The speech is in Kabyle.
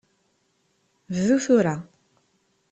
Bdu tura.